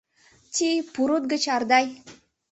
— Тьи-Пурут гыч Ардай!